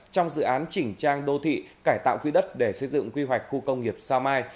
trong dự án chỉnh trang đô thị cải tạo khuy đất để xây dựng quy hoạch khu công nghiệp sao mai